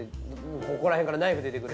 ここらへんからナイフ出てくる。